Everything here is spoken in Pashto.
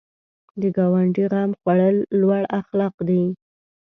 د ګاونډي غم خوړل لوړ اخلاق دي